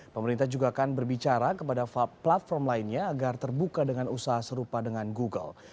pemerintah juga akan berbicara kepada platform lainnya agar terbuka dengan usaha serupa dengan google